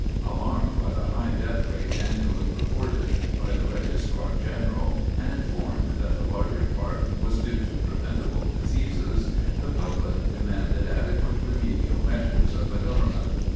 Alarmed by the high death rate annually reported by the Registrar General, and informed that the larger part was due to preventable diseases, the public demanded adequate remedial measures of the government.